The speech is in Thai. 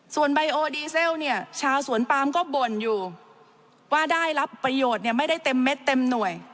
ส่วนไบโอดีเซลเนี่ยชาวสวนปามก็บ่นอยู่ว่าได้รับประโยชน์เนี่ยไม่ได้เต็มเม็ดเต็มหน่วย